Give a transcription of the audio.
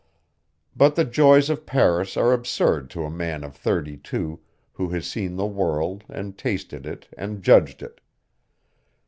But the joys of Paris are absurd to a man of thirty two who has seen the world and tasted it and judged it.